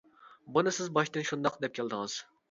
بۇنى سىز باشتىن شۇنداق دەپ كەلدىڭىز.